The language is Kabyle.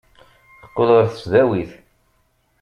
Teqqel ɣer tesdawit.